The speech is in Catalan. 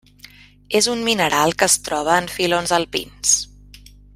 És un mineral que es troba en filons alpins.